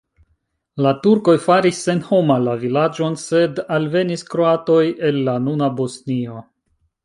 La turkoj faris senhoma la vilaĝon, sed alvenis kroatoj el la nuna Bosnio.